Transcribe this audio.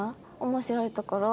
面白いところ。